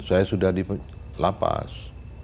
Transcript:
saya sudah di lapas